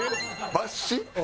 抜歯。